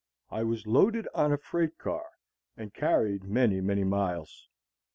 I was loaded on a freight car and carried many, many miles.